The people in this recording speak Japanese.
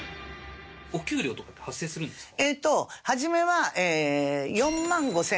お給料とかって発生するんですか？